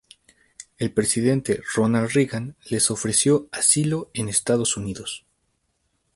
El presidente Ronald Reagan les ofreció asilo en Estados Unidos.